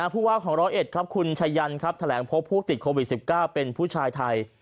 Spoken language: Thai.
ผู้ว่าของร้อยเอ็ดครับคุณชายันครับแถลงพบผู้ติดโควิด๑๙เป็นผู้ชายไทย